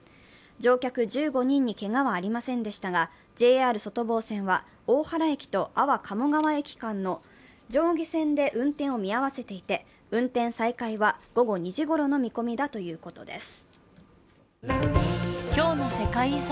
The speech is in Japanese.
乗客１５人にけがはありませんでしたが、ＪＲ外房線は、大原駅と安房鴨川駅の上下線で運転を見合わせていて運転再開は午後２時ごろの見込みだということです。